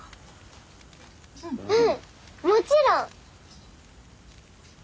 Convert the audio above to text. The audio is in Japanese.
うんもちろん。